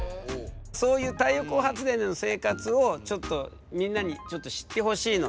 そういう太陽光発電での生活をみんなにちょっと知ってほしいので。